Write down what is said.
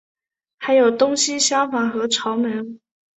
还有东西厢房和朝门。